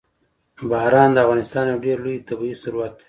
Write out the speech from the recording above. باران د افغانستان یو ډېر لوی طبعي ثروت دی.